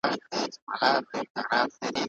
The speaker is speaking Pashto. ارمان کاکا د ونو په سیوري کې دمه وکړه.